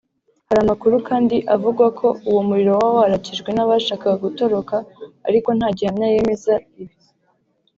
Hari amakuru kandi avuga ko uwo muriro waba warakijwe n’abashakaga gutoroka ariko nta gihamya yemeza ibi